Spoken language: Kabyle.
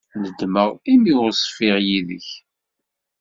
Nedmeɣ imi ur ṣfiɣ yid-k.